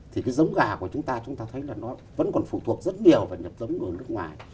thì cái giống gà của chúng ta chúng ta thấy là nó vẫn còn phụ thuộc rất nhiều vào nhập giống ở nước ngoài